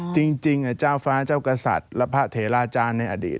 จริงเจ้าฟ้าเจ้ากษัตริย์และพระเทราจารย์ในอดีต